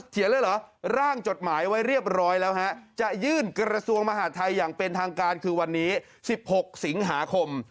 เลยเหรอร่างจดหมายไว้เรียบร้อยแล้วฮะจะยื่นกระทรวงมหาดไทยอย่างเป็นทางการคือวันนี้๑๖สิงหาคม